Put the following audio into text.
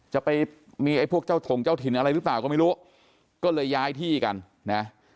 จะไปมีไอ้พวกเจ้าถงเจ้าถิ่นอะไรหรือเปล่าก็ไม่รู้ก็เลยย้ายที่กันนะ